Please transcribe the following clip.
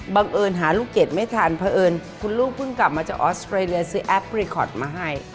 เอิญหาลูกเกดไม่ทันเพราะเอิญคุณลูกเพิ่งกลับมาจากออสเตรเลียซื้อแอปพรีคอตมาให้